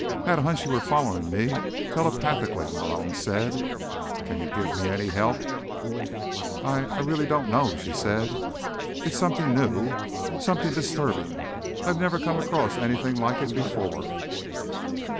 "I had a hunch you were following me telepathically," Malone said. "Can you give me any help?" "I—I really don't know," she said. "It's something new, and something disturbing. I've never come across anything like it before."